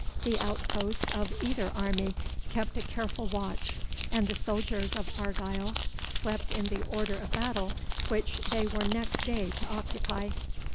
The outposts of either army kept a careful watch, and the soldiers of Argyle slept in the order of battle which they were next day to occupy.